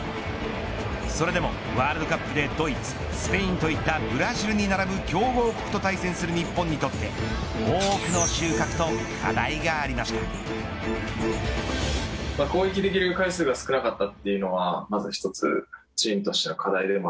それでもワールドカップでドイツ、スペインといったブラジルに並ぶ強豪国と対戦する日本にとって多くの収穫と課題がありました。